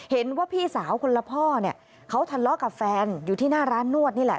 เห็นว่าพี่สาวคนละพ่อเนี่ยเขาทะเลาะกับแฟนอยู่ที่หน้าร้านนวดนี่แหละ